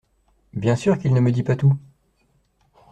Bien sûr qu’il ne me dit pas tout!